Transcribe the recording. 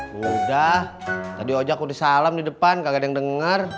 yaudah tadi aja aku disalam di depan kagak ada yang denger